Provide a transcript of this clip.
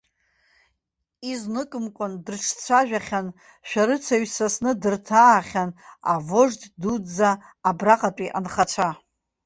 Изныкымкәан дрыҿцәажәахьан, шәарыцаҩ сасны дырҭаахьан авожд дуӡӡа абраҟатәи анхацәа.